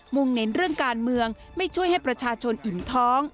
งเน้นเรื่องการเมืองไม่ช่วยให้ประชาชนอิ่มท้อง